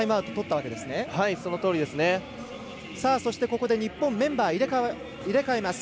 ここで日本メンバー入れ替えます。